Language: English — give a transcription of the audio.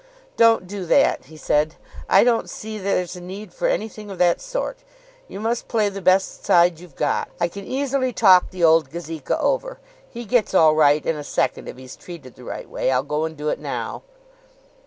"Don't do that," he said. "I don't see there's a need for anything of that sort. You must play the best side you've got. I can easily talk the old Gazeka over. He gets all right in a second if he's treated the right way. I'll go and do it now."